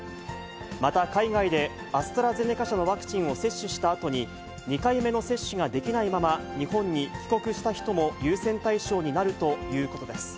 また海外でアストラゼネカ社のワクチンを接種したあとに、２回目の接種ができないまま、日本に帰国した人も、優先対象になるということです。